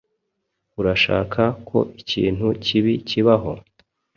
Urashaka ko ikintu kibi kibaho?